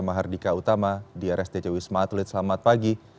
mahardika utama di rsdc wisma atlet selamat pagi